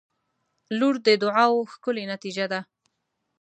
• لور د دعاوو ښکلی نتیجه ده.